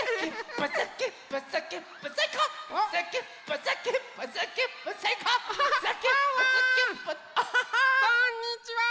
こんにちは。